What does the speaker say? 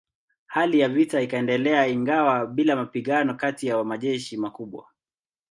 Hali ya vita ikaendelea ingawa bila mapigano kati ya majeshi makubwa.